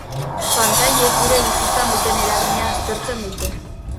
Pantailek gure bizitzan duten eragina aztertzen dute.